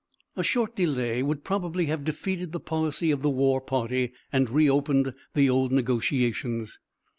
A short delay would probably have defeated the policy of the war party, and re opened the old negotiations.